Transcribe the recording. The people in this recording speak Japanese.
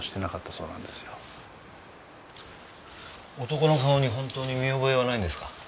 男の顔に本当に見覚えはないんですか？